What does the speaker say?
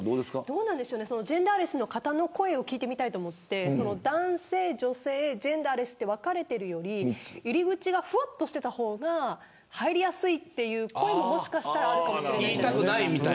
ジェンダーレスの方の声を聞いてみたいと思うんですが男性、女性、ジェンダーレスと分かれているより入り口がふわっとしていた方が入りやすいという声ももしかしたらあるかもしれない。